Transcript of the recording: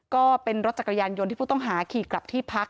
ก็เป็นรถจักรยานยนต์ที่ผู้ต้องหาขี่กลับที่พัก